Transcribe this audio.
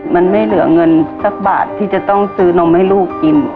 มันไม่เหลือเงินสักบาทที่จะต้องซื้อนมให้ลูกกิน